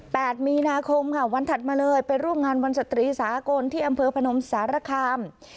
มีนาคมค่ะวันถัดมาเลยไปร่วมงานวันสตรีสากลที่อำเภอพนมสารคาม